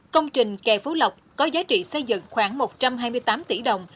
công trình kè phú lộc có giá trị xây dựng khoảng một trăm hai mươi tám tỷ đồng